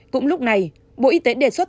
cũng lúc này bộ y tế đề xuất